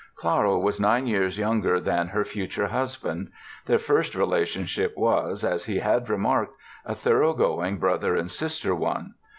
Clara was nine years younger than her future husband. Their first relationship was, as he had remarked, a thoroughgoing brother and sister one.